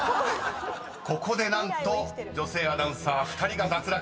［ここで何と女性アナウンサー２人が脱落］